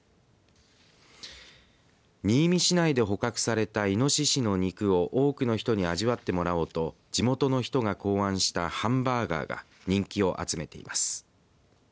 新見市内で捕獲されたいのししの肉を多くの人に味わってもらおうと地元の人が考案したハンバーガーが人気を集めています。